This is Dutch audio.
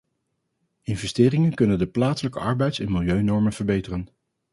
Investeringen kunnen de plaatselijke arbeids- en milieunormen verbeteren.